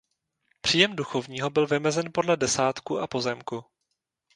Příjem duchovního byl vymezen podle desátku a pozemku.